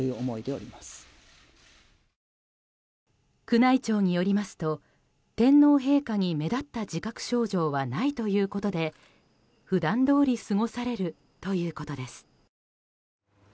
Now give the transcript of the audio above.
宮内庁によりますと天皇陛下に目立った自覚症状はないということで普段どおり過ごされるということです。